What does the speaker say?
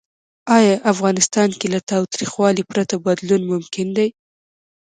آیا افغانستان کې له تاوتریخوالي پرته بدلون ممکن دی؟